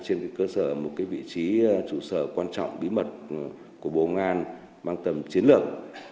trên cơ sở một vị trí trụ sở quan trọng bí mật của bộ ngoan mang tầm chiến lược